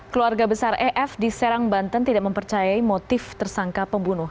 keluarga besar ef di serang banten tidak mempercayai motif tersangka pembunuh